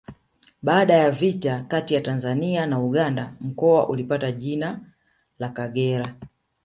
Baada ya vita kati ya Tanzania na Uganda mkoa ulipata jina la Kagera